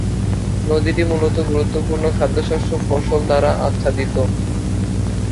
নদীটি মূলত গুরুত্বপূর্ণ খাদ্যশস্য ফসল দ্বারা আচ্ছাদিত।